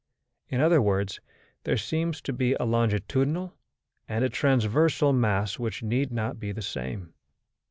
In other words, there seems to be a longitudinal; and a transversal mass which need not be the same.